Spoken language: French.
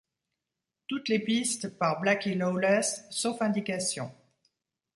Toutes les pistes par Blackie Lawless, sauf indication.